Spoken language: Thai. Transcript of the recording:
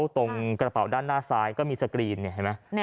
ตรงกระเป๋าด้านหน้าซ้ายก็มีสกรีนเห็นไหม